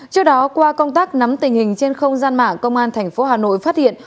trước đó qua công tác nắm tình hình trên không gian mạng công an tp hà nội phát hiện